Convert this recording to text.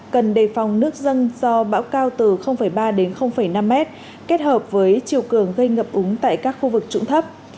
cần đề phòng nước dân do bão cao từ ba đến năm mét kết hợp với chiều cường gây ngập úng tại các khu vực trụng thấp